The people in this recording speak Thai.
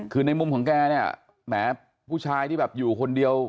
คือในมุมของแกเนี่ยแหมผู้ชายที่แบบอยู่คนเดียว